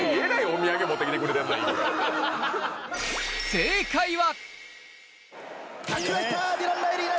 正解は。